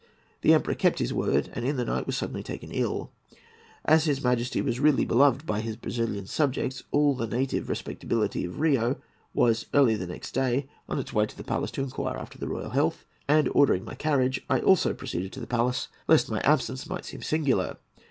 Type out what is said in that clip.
The Emperor kept his word, and in the night was taken suddenly ill. As his Majesty was really beloved by his Brazilian subjects, all the native respectability of Rio was early next day on its way to the palace to inquire after the royal health, and ordering my carriage, I also proceeded to the palace, lest my absence might seem singular.